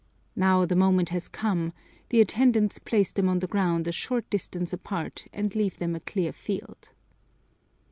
Now the moment has come; the attendants place them on the ground a short distance apart and leave them a clear field.